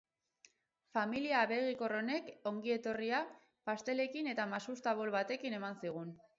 Familia abegikor honek ongietorria pastelekin eta masusta bol batekin eman zigun.